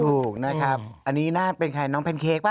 ถูกนะครับอันนี้น่าเป็นใครน้องแพนเค้กป่